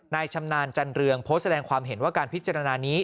ชำนาญจันเรืองโพสต์แสดงความเห็นว่าการพิจารณานี้